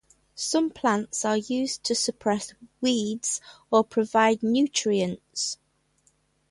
Some plants are used to suppress weeds or provide nutrients.